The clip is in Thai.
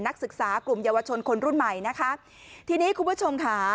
นักศึกษากลุ่มเยาวชนคนรุ่นใหม่นะคะทีนี้คุณผู้ชมค่ะ